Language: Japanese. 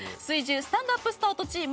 「スタンドＵＰスタート」チーム。